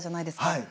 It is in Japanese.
はい。